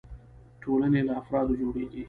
ټولنې له افرادو جوړيږي.